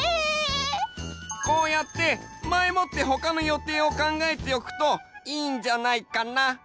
こうやって前もってほかの予定を考えておくといいんじゃないかな？